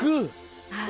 はい。